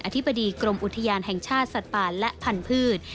ธิบดีกรมอุทยานแห่งชาติสัตว์ป่าและพันธุ์